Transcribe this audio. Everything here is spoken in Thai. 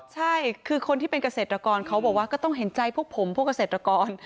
ใช่คือคนที่เป็นเกษตรกรเขาบอกว่าก็ต้องเห็นใจพวกผมพวกเกษตรกร